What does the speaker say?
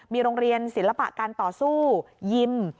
มีโรงเรียนศิลปะการต่อสู้ยิม